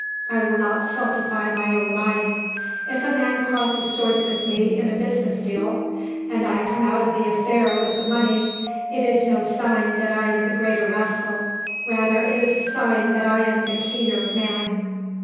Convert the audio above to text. I will not stultify my own mind. If a man crosses swords with me in a business deal and I come out of the affair with the money, it is no sign that I am the greater rascal, rather it is a sign that I am the keener man."